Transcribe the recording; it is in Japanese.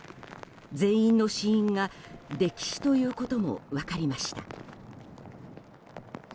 全員の死因が溺死ということも分かりました。